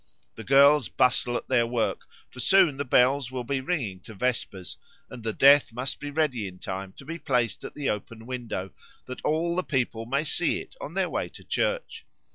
The girls bustle at their work, for soon the bells will be ringing to vespers, and the Death must be ready in time to be placed at the open window, that all the people may see it on their way to church.